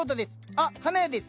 あっ花屋です。